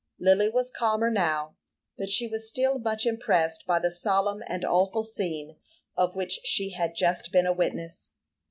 Lily was calmer now, but she was still much impressed by the solemn and awful scene of which she had just been a witness.